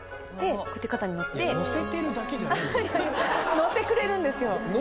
乗ってくれるんですよ。